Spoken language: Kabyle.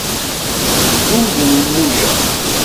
Ddu d lmuja!